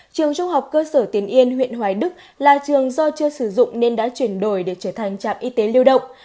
trường trung học cơ sở tiền yên huyện hoài đức là trường do chưa sử dụng nên đã chuyển đổi để trở thành trạm y tế lưu động